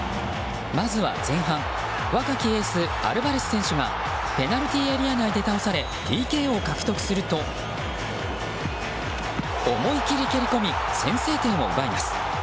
まずは前半、若きエースアルヴァレス選手がペナルティーエリア内で倒されＰＫを獲得すると思い切り蹴り込み先制点を奪います。